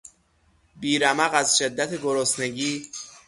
بیرمق از شدت گرسنگی